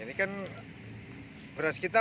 ini kan beratan